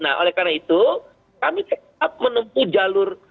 nah oleh karena itu kami tetap menempuh jalur